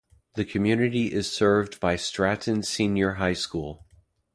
The community is served by Stratton Senior High School.